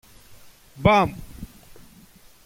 Μπαμ!